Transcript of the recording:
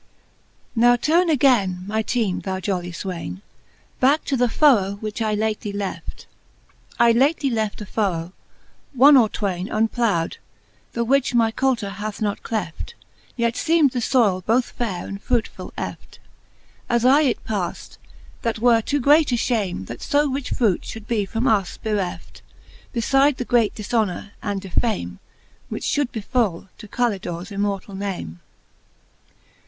NOW turne againe my teme, thou jolly fwayne, Backe to the furrow, which I lately left : I lately left a furrow, one or twayne Unplough'd, the which my coulter hath not cleft; Yet feem'd the foyle both fayre and frutefull eft, As I it paft, that were too great a fhame, That fo rich frute fhould be from us bereft ; Befides the great difhonour and defame, Which fhould befall to Calidores immortall name.